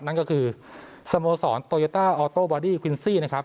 นั่นก็คือสโมสรโตโยต้าออโต้บอดี้ควินซี่นะครับ